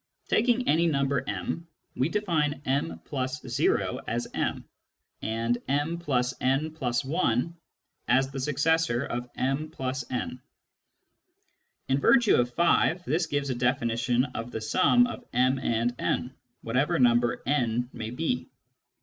Taking any number m, we define wi+o as m, and m \ (n+i) as the successor of m+n. In virtue of (5) this gives a definition of the sum of m and n, whatever number n may be.